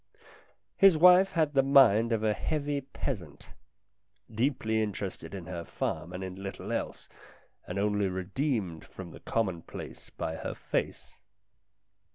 His wife had the mind of a heavy peasant, deeply interested in her farm and in little else, and only redeemed from the commonplace by her face.